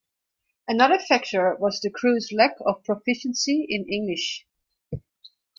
Another factor was the crew's lack of proficiency in English.